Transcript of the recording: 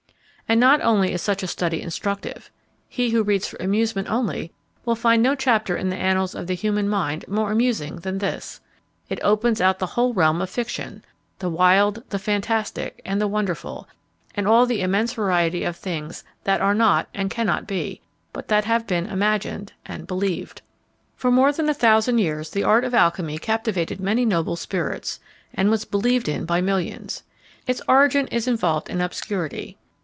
And not only is such a study instructive: he who reads for amusement only will find no chapter in the annals of the human mind more amusing than this. It opens out the whole realm of fiction the wild, the fantastic, and the wonderful, and all the immense variety of things "that are not, and cannot be; but that have been imagined and believed." For more than a thousand years the art of alchymy captivated many noble spirits, and was believed in by millions. Its origin is involved in obscurity.